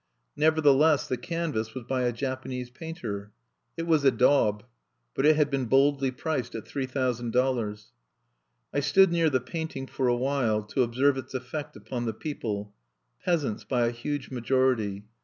Nevertheless the canvas was by a Japanese painter. It was a daub; but it had been boldly priced at three thousand dollars. I stood near the painting for a while to observe its effect upon the people, peasants by a huge majority.